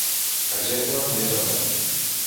Exemple més avall.